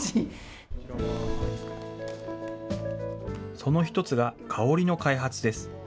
その１つが香りの開発です。